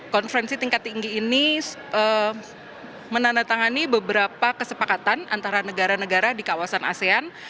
konferensi tingkat tinggi ini menandatangani beberapa kesepakatan antara negara negara di kawasan asean